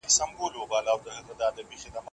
څرنګه چې اخلاص وي، اختلاف به ژور نه شي.